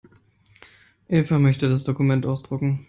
Eva möchte das Dokument ausdrucken.